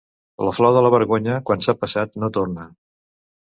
La flor de la vergonya quan s'ha passat no torna.